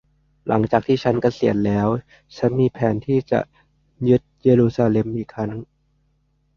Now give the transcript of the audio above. หลังจากที่ฉันเกษียณแล้ว ฉันมีแผนที่จะยึดเยรูซาเล็มอีกครั้ง